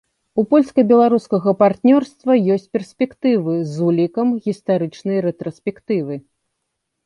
У польска-беларускага партнёрства ёсць перспектывы з улікам гістарычнай рэтраспектывы.